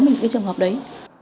mình có thể nhận được